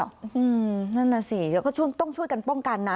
อืมนั่นแหละสิก็ต้องช่วยกันป้องกันนะ